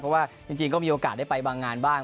เพราะว่าจริงก็มีโอกาสได้ไปบางงานบ้าง